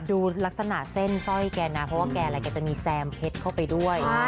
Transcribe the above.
ดูลักษณะเส้นสร้อยแกนะเพราะว่าแกอะไรแกจะมีแซมเพชรเข้าไปด้วย